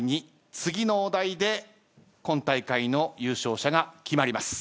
次のお題で今大会の優勝者が決まります。